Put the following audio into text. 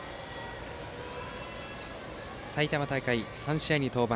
埼玉大会、３試合に登板。